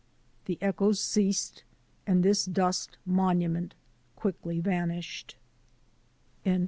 The echoes ceased, and this dust monu ment quickly vanished.